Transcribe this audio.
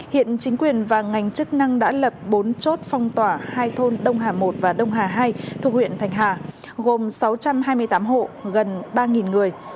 hiện chính quyền và ngành chức năng đã lập bốn chốt phong tỏa hai thôn đông hà một và đông hà hai thuộc huyện thành hà gồm sáu trăm hai mươi tám hộ gần ba người